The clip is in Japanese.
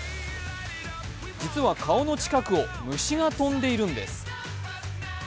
実は顔の近くを虫が飛んでいるんです。